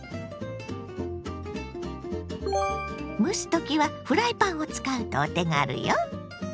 蒸すときはフライパンを使うとお手軽よ。